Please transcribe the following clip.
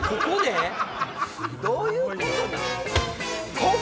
どういうことなん？